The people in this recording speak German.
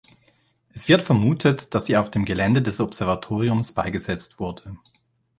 Es wird vermutet, dass sie auf dem Gelände des Observatoriums beigesetzt wurde.